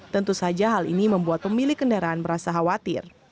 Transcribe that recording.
tentu saja hal ini membuat pemilik kendaraan merasa khawatir